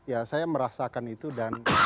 ya saya merasakan itu dan